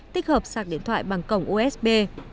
tích hợp sạc điện thoại bằng cổng usb